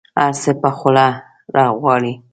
هر څه په خوله غواړي.